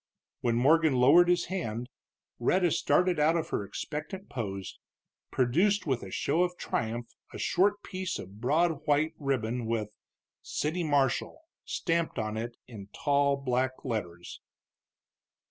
When Morgan lowered his hand Rhetta started out of her expectant pose, producing with a show of triumph a short piece of broad white ribbon, with CITY MARSHAL stamped on it in tall black letters.